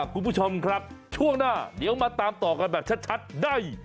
คุณผู้ชมครับช่วงหน้าเดี๋ยวมาตามต่อกันแบบชัดได้